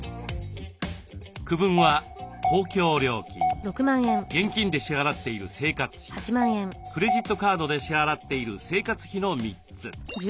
区分は公共料金現金で支払っている生活費クレジットカードで支払っている生活費の３つ。